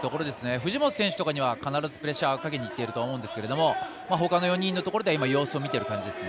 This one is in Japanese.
藤本選手とかには必ずプレッシャーかけにいってると思うんですけどほかの４人のところでは今、様子を見ている感じですね。